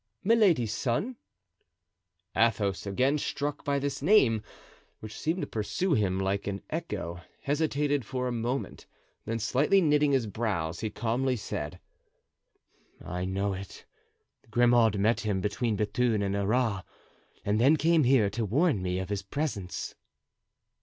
"Milady's son." Athos, again struck by this name, which seemed to pursue him like an echo, hesitated for a moment, then slightly knitting his brows, he calmly said: "I know it, Grimaud met him between Bethune and Arras and then came here to warn me of his presence."